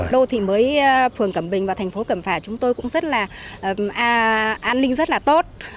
đô thị mới phường cẩm bình và thành phố cẩm phả chúng tôi cũng rất là an ninh rất là tốt